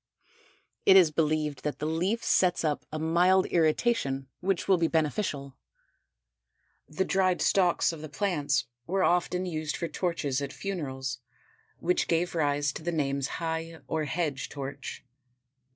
It is believed that the leaf sets up a mild irritation which will be beneficial. The dried stalks of the plants were often used for torches at funerals which gave rise to the names High or Hedge Torch.